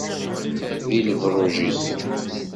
Di lebṛuǧ-is.